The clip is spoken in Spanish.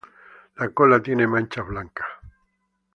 La cola tiene manchas blancas.